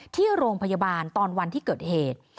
ที่โรงพยาบาลตอนวันที่เกิดเหตุ